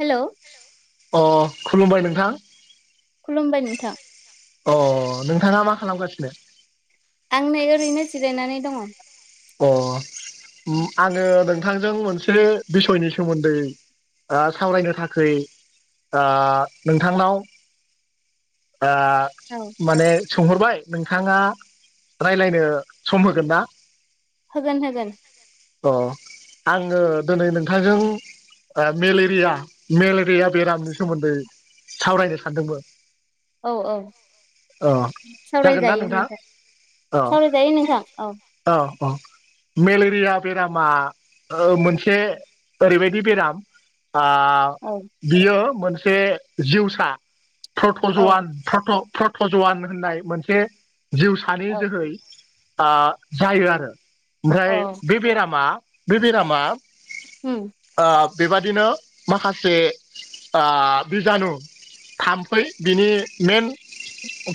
Hello अ खुलुमबाय नोंथां खुलुमबाय नोंथां अ नोंथाङा मा खालामगासिनो? आं नै ओरैनो जिरायनानै दङ। अ उम आङो नोंथांजों मोनसे बिसयनि सोमोन्दै ओ सावरायनो थाखै ओ नोंथांनाव ओ माने सोंहरबाय नोंथाङा रायलायनो सम होगोन ना? होगोन होगोन। अ आङो दिनै नोंथांजों मेलेरिया मेलेरिया बेरामनि सोमोन्दै सावरायनो सानदोंमोन औ औ अ जागोन ना सावरायजायो नोंथां सावरायजायो नोंथां औ औ अ मेलेरिया बेरामा मोनसे ओरैबायदि बेराम आ औ बेयो मोनसे जिउसा औ फ्रथजवान फ्रथ फ्रथजवान होननाय मोनसे जिउ सानि औ जोहै आ जायो आरो औ ओमफ्राय बे बेरामा बे बेरामा हुम आ बेबादिनो माखासे ओ बिजानु थाम्फै बिनि मेन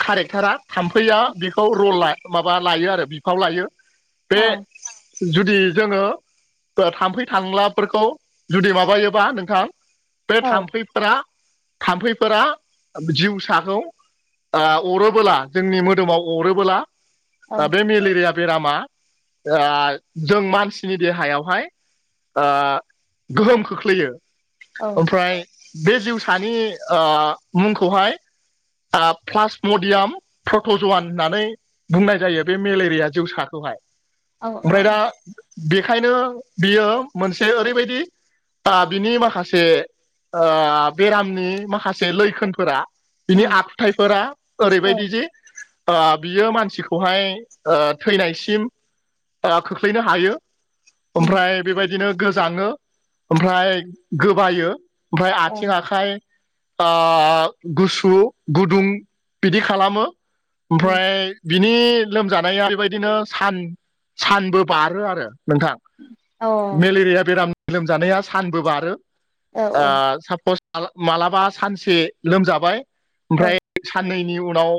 कारेक्टारा थाम्फैया बेखौ रल माबा लायो आरो बिफाव लायो बे औ जुदि जोङो थाम्फै थांलाफोरखौ जुदि माबायोबा नोंथां बे औ थाम्फै फ्रा थाम्फैफोरा जिउसाखौ आ अरोबोला जोंनि मोदोमाव अरोबोला औ बे मेलेरिया बेरामा आ जों मानसिनि देहायावहाय आ गोहोम खोख्लैयो औ ओमफ्राय बे जिउसानि आ मुंखौहाय आ प्लास मडियाम प्रटज'वान होननानै बुंनाय जायो बे मेलेरिया जिउसाखौहाय। औ औ ओमफ्राय दा बेखायनो बियो मोनसे ओरैबायदि आ बिनि माखासे ओ बेरामनि माखासे लैखोनफोरा बिनि उम आखुथायफोरा औ ओरैबायदि जि ओ बियो मानसिखौहाय ओ थैनायसिम ओ खोख्लैनो हायो ओमफ्राय बेबायद बिदिनो गोजाङो अमफ्राय गोबायो ओमफाय आथिं, उम आखाइ ओ गुसु, गुदुं बिदि खालामो। औ उम ओमफ्राय बिनि लोमजानाया बेबायदिनो सान सानबो बारो आरो नोंथां। औ मेलेरिया बेराम लोमजानाया सानबो बारो औ ओ सापस माला मालाबा सानसे लोमजाबाय ओमफ्राय औ साननैनि उनाव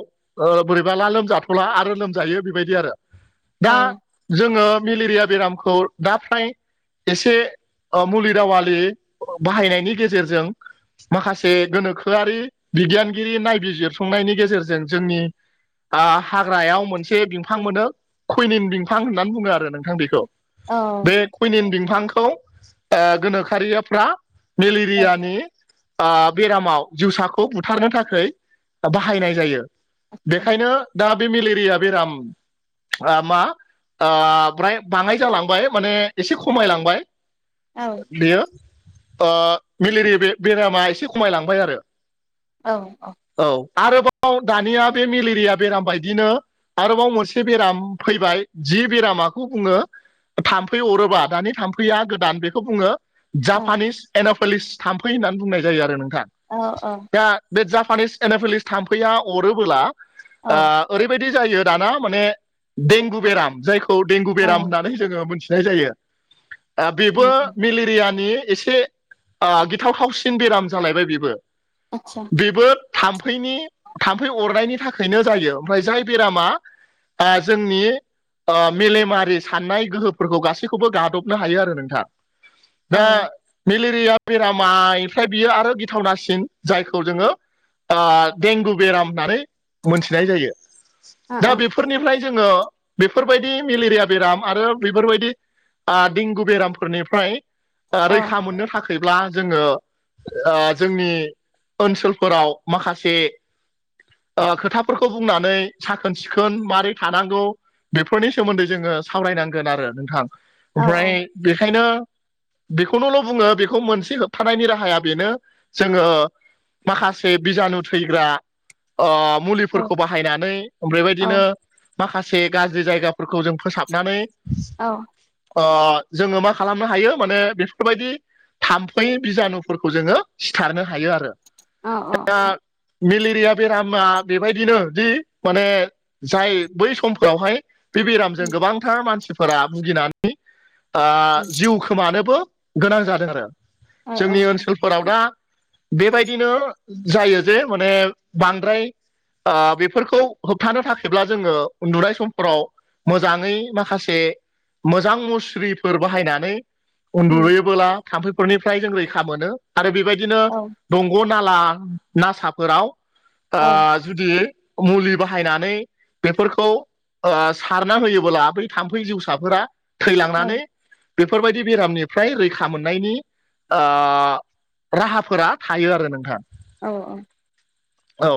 ओ बोरैबाला लोमजाथ'ला आरो लोमजायो बेबायदि आरो। औ दा जोङो मेलेरिया बेरामखौ दा फ्राय एसे ओ मुलि दावालि बाहायनायनि गेजेरजों माखासे गोनोखोआरि बिगियानगिरि नायबिजिरसंनायनि गेजेरजों जोंनि आं हाग्रायाव मोनसे बिंफां मोनो। खुयनिम बिंफां होननानै बुङो आरो नोंथां बेखौ। बे औ कुइनिम बिंफांखौ ओ गोनोखारियाफ्रा मेलेरियानि आ बेरामाव जिउसाखौ बुथारनो थाखाय बाहायनाय जायो। बेखायनो दा बे मेलेरिया बेराम आ मा आ फ्राय बाङाय जालांबाय माने एसे खमायलांबाय। औ। बेयो ओ मेलेरि बे बेरामा इसे खमायलांबाय आरो। औ - औ। औ आरोबाव दानिया बे मेलेरिया बेराम बायदिनो आरोबाव मोनसे बेराम फैबाय जि बेरा माखौ बुङो? थाम्फै अरोबा दानि थाम्फैया गोदान बेखौ बुङो औ जापानिस एन'फोलिस थाम्फै होननानै बुंनाय जायो आरो नोंथा। औ ओ। दा बे जापानिस एन'फोलिस थाम्फैया अरोबोला ओ ओरैबायदि जायो दाना माने देंगु बेराम जायखौ देंगु औ बेराम औ होननानै जोङो मोनथिनाय जायो ओ बेबो उम उम मेलेरियानि एसे ओ गिथावथावसिन बेराम जालायबाय बेबो। आतसा। बेबो थाम्फैनि थाम्फै अरनायनि थाखायनो जायो ओमफ्राय जाय बेरामा आ जोंनि ओ मेलेमारि साननाय गोहोफोरखौ गासैखौबो गाद'बनो हायो आरो नोंथां। औ दा मेलेरिया बेराम मायफ्राय बियो आरो गिथावनासिन जायखौ जोंङो ओ देंगु बेराम होननानै मोनथिनाय जायो। दा ओ बेफ फोरनिफ्राय जोङो बेफोरबायदि मेलेरिया बेराम आरो बेफोरबायदि आं देंगु बेरामफोरनिफ्राय ओ रैखा मोननो थाखाय [unintelligible] ब्ला जोंङो ओ जोंनि ओनसोलफोराव माखासे ओ खोथाफोरखौ बुंनानै साखोन सिखोन [unintelligible] मारै थानांगौ बेफोरनि सोमोन्दै जोङो सावरायनांगोन आरो नोंथां। औ औ ओमफ्राय बेखायनो बेखौनोल' बुङो बेखौ मोनसे होबथानायनि राहाया बेनो जोङो माखासे बिजानु थैग्रा अ औ मुलिफोरखौ बाहायनानै ओमफ्राय बायदि औ माखासे गाज्रि जायगाफोरखौ जों फोसाबनानै औ जोंङो मा खालामनो हायो माने बेफोरबायदि थाम्फै बिजानुफोरखौ जोङो सिथारनो हायो आरो औ औ औ दा मेलेरिया बेरामा बेबायदिनो जि माने जाय बै समफोरावहाय बे बेरामजों गोबांथार मानसिफोरा भुगिनानै जिउ खोमानोबो गोनां जादों आरो जोंनि ओनसोलफोराव दा बेबायदिनो जायो जे माने बांद्राय बेफोरखौ होबथानो थाखाय जेब्ला जोङो उन्दुनाय समफोराव मोजाङै माखासे मोजां मुस्रिफोर बाहायनानै उन्दुुयोबोला थाम्फैफोरनिफ्राय जों रैखा मोनो आरो बेबायदिनो दंग' नाला नासाफोराव जुदि मुलि बाहायनानै बेफोरखौ सारना होयोबोला बै थाम्फै जिउसाफोरा थैलांनानै बेफोरबायदि बेरामनिफ्राय रैखा मोननायनि राहाफोरा थायो आरो नोंथां औ औ। औ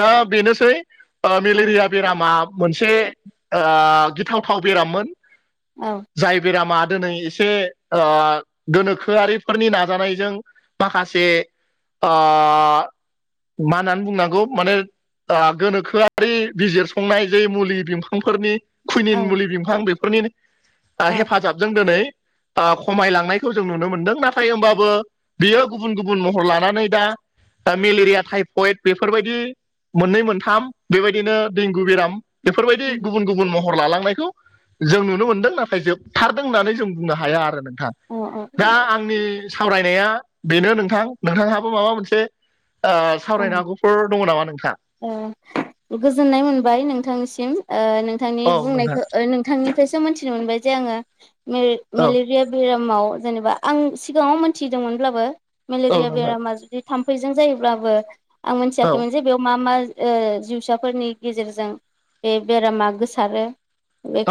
दा बेनोसै ओ मेलेरिया बेरामा मोनसे गिथावथाव बेराममोन औ जाय बेरामा दिनै एसे गोनोखोआरिफोरनि नाजानायजों माखासे ओ मा होननानै बुंनांगौ माने गोनोखोआरि बिजिर संनाय जे मुलि बिफांफोरनि कुइनिन मुलि बिफां बेफोरनि हेफाजाबजों दिनै खमायलांनायखौ जों नुनो मोनदों नाथाय होमबाबो बेयो गुबुन गुबुन महर लानानै दा दा मेलेरिया टाइफयड बेफोरबायदि मोननै मोनथाम बेबायदिनो देंगु बेराम बेफोरबायदि गुबुन गुबुन महर लालांनायखौ जों नुनो मोनदों नाथाय जोबथारदों होननानै जों बुंनो हाया आरो नोंथाङा दा आंनि सावरायनाया बेनो नोंथां नोंथांङा माबा मोनसे सावरायनो हागौफोर दङ नामा नोंथांङा गोजोननाय मोनबाय नोंथांनिसिम नोंथांनि औ नोंथां बुंनायखौ बिथां निफ्रायसो मिथिनो मोनबाय जे आंङो मेले औ मेलि बे बेरामाव जेनेबा आं सिगाङाव मोनथिदोंमोनब्लाबो औ मेलेरिया नोंथां बेरामा जुदि थाम्फैजों जायोब्लाबो आं औ मोनथियाखैमोन जे बेयाव मा मा जिउसाफोरनि गेजेरजों बे बेरामा गोसारो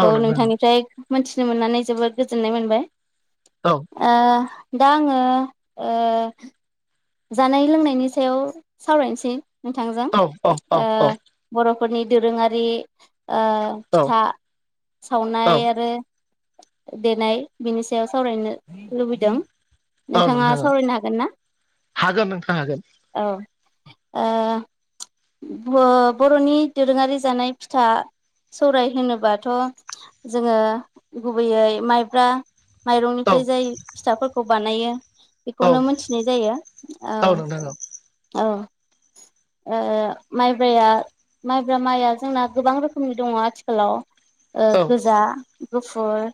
औ नोंथां नोंथांनिफ्राय मोनथिनो मोननानै जोबोद गोजोननाय मोनबाय औ ओ दा आङो ओ जानाय लोंनायनि सायाव सावरायनोसै नोंथांजों औ ओ औ बर'फोरनि दोरोङारि ओ फिथा औ सावनाय आरो ओ देनाय बिनि सायाव सावरायनो लुबैदों। औ नोंथाङा नोंथां औ सावरायनो हागोन ना हागोन नोंथां हागोन। औ ओ ब बर'नि दोरोङारि जानाय फिथा सौराय होनोबाथ' जोङो गुबैयै माइब्रा औ माइरंनिफ्राय जाय फिथाफोरखौ बानायो औ बेखौनो मोनथिनाय जायो औ नोंथां औ औ ओ माइब्राया माइब्रा माइआ जोंना गोबां रोखोमनि दङ आथिखालाव ओ औ गोजा गुफुर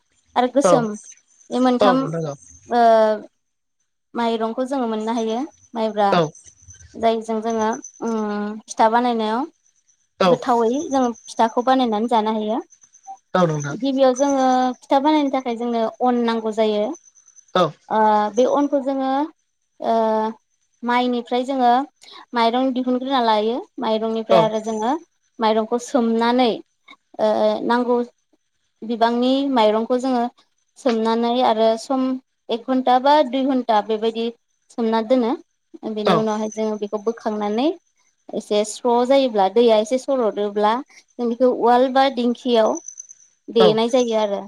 आरो औ गोसोम बे औ मोनथाम नोंथां ओ माइरंखौ जोंङो मोननो हायो माइब्रा औ जायजों जोंङो अम फिथा बानायनायाव गोथावै जों फिथाखौ बानायनानै जानो हायो औ नोंथां गिबियाव जोंङो फिथा बानायनो थाखाय जोंनो अन नांगौ जायो। औ ओ बे अनखौ जोंङो ओ माइनिफ्राय जोंङो माइरं दिहुनग्रोना लायो औ माइरंनिफ्राय आरो जोंङो माइरंखौ सोमनानै ओ नांगौ बिबांनि माइरंखौ जोंङो सोमनानै आरो सम एक घन्टा बा दुइ घन ता बेबायदि सोमना ओ दोनो बेनि उनावहाय जोंङो बेखौ बोखांनानै एसे स्र' जायोब्ला दैया एसे सरदोब्ला जों बेखौ उवाल बा दिंखियाव देनाय जायो आरो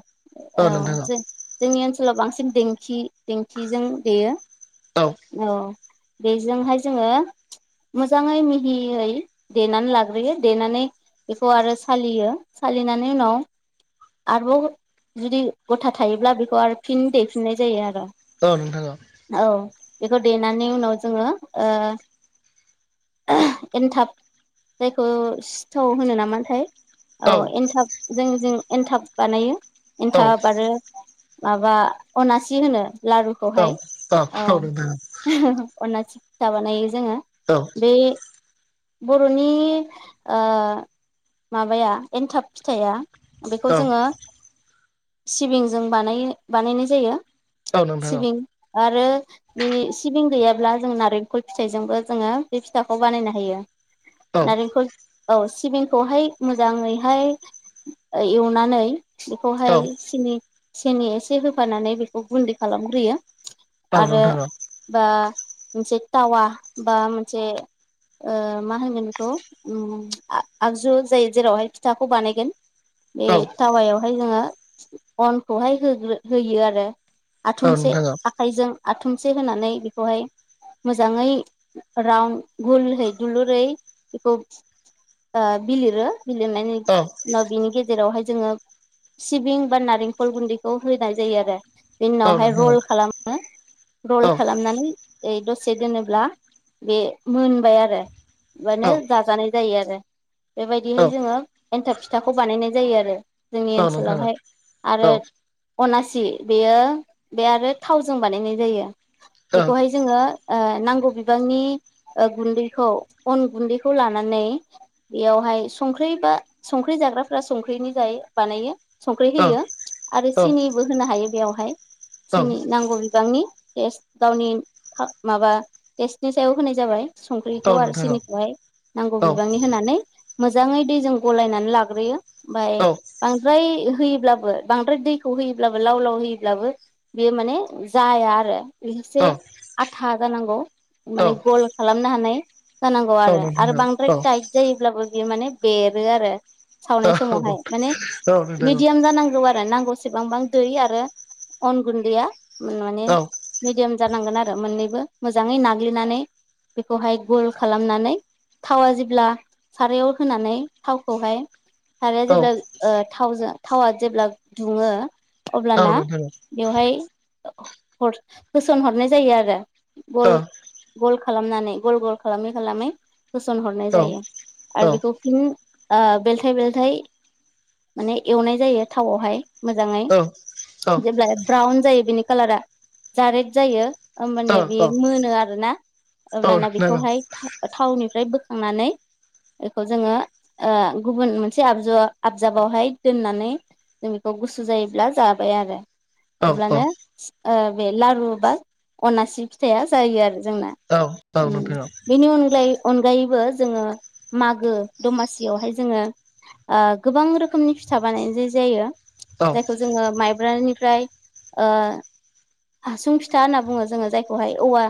औ जों जोंनि ओनसोलाव बांसिन दिंखि दिंखिजों देयो औ बेजोंहाय जोंङो मोजाङै मिहियै देनानै लाग्रोयो देनानै बेखौ आरो सालियो सालिनानै उनाव आरोबाव जुदि गथा थायोब्ला बेखौ आरो फिन देफिननाय जायो आरो। औ नोंथा औ औ बेखौ देनानै उनाव जोंङो ओ एन्थाब जायखौ सिथाव होनो नामाथाय औ एनथाब जों जों एन्थाब बानायो औ औ नोंथां औ औ एन्थाब आरो माबा अनासि होनो लारुखौहाय औ नोंथां अनासि फिथा बानायो जोंङो औ बे बर'नि ओ माबाया एन्थाब फिथाया बेखौ जोंङो सिबिंजों बानायो बानायनाय जायो। सिबिं आरो बिनि सिबिं गैयाब्ला जों नारेंखल फिथाइजोंबो जोंङो बे फिथाखौ बानायनो हायो। नारेंखल औ सिबिंखौहाय मोजाङैहाय ओ एवनानै बेखौहाय सिनि सिनि एसे होफानानै बेखौ गुन्दै खालामग्रोयो आरो बा मोनसे टावा बा मोनसे ओ मा होनगोन बेखौ उम आ-आगजु जाय जेरावहाय फिथाखौ बानायगोन बे टावायावहाय जोंङो अनखौहाय होग्रो होयो आरो। आथुमसे आखाइजों आथुमसे होनानै बेखौ हाय मोजाङै राउन गलै दुलुरै बेखौ ओ बिलिरो बिलिरनायनि उनाव बिनि गेजेरावहाय जोंङो सिबिं बा नारेंखल गुन्दैखौ होनाय जायो आरो। बिनि उनावहाय रल खालामो रल खालाम नानै ओइ दसे दोनोब्ला बे मोनबाय आरो। बानो जाजानाय जायो आरो। बेबायदिहाय जोंङो एन्थाब फिथाखौ बानायनाय जायो आरो जोंनि ओनसोलावहाय आरो अनासि बेयो बे आरो थावजों बानायनाय जायो बेखौहाय जोंङो नांगौ बिबांनि गुन्दैखौ अन गुन्दैखौ लानानै बेयावहाय संख्रि बा संख्रि जाग्राफ्रा संख्रिनि जायो बानायो संख्रि होयो आरो सिनिबो होनो हायो बेयावहाय जोंनि नांगौ बिबांनि टेस्ट गावनि माबा टेस्टनि सायाव होनाय जाबाय। संख्रिखौ आरो सिनिखौहाय नांगौ बिबांनि होनानै मोजाङै दैजों गलायनानै लाग्रोयो ओमफाय बांद्राय होयोब्लाबो बांद्राय दैखौ होयोब्लाबो लाव लाव होयोब्लाबो बेयो माने जाया आरो एसे आथा जानांगौ माने गल खालामनो हानाय। जानांगौ आरो आरो बांद्राय नोंथां औ टाइट जायोब्लाबो बेयो माने बेरो आरो। औ सावनाय समावहाय माने नोंथां मिडियाम जानांगौ आरो नांगौसेबांबां दै आरो अन गुन्दैया माने औ मिडियाम जानांगोन आरो मोननैबो मोजाङै नाग्लिनानै बेखौहाय गल खालामनानै थावा जेब्ला सारायाव होनानै थावखौहाय औ साराया जेब्ला थावजों थावा जेब्ला दुङो औ अब्लाना नोंथां बेवहाय होसन हरनाय जायो आरो गल गल खालामनानै गल गल खालामै खालामै होसनहरनाय औ जायो औ आरो बेखौ बिदिनो बेलथाय बेलथाय माने एवनाय जायो थावआवहाय। मोजाङै औ जेब्ला ब्राउन जायो बिनि कालारा जारेड जायो। औ होमबानो बे औ नोंथां औ मोनो आरो ना औ अब्लाना नोंथां बेखौहाय थावनिफ्राय बोखांनानै बेखौ जोङो ओ गुबुन मोनसे आबजु आबजाबावहाय दोननानै जों बेखौ गुसु जायोब्ला जाबाय आरो। अब्लानो औ बे लारु बा अनासि फिथाया जायो आरो जोंना। औ औ उम नोंथां औ। बेनि अनगायै अनगायैबो जोङो मागो दमासियावहाय जोङो गोबां रोखोमनि फिथा बानायनाय जायो जायखौ जोङो माइब्रानि ओमफ्राय ओ हासुं फिथा होनना बुङो जोङो जायखौहाय औवा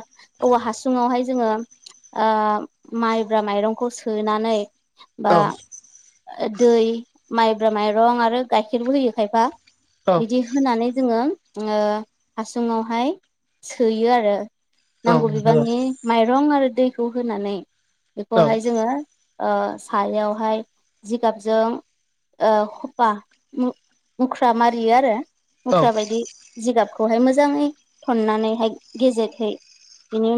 औवा हासुङावहाय जोङो माइब्रा माइरंखौ सोनानै बा नोंथां दै माइब्रा माइरं आरो गाइखेरबो होयो खायफा बिदि होनानै जोङो हासुुंआवहाय सोयो आरो। नांगौ बिबांनि माइरं आरो दैखौ होनानै औ बेखौहाय जोङो सायावहाय जिगाबजों हफा मुख्रा मारियो आरो। औ मुख्रा बायदि जिगाबखौहाय मोजाङै थननानैहाय गेजेरहै बिनि